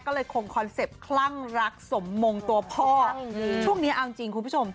ก็เลยคงคอนเซ็ปต์คลั่งรักสมมงตัวพ่อช่วงนี้เอาจริงคุณผู้ชม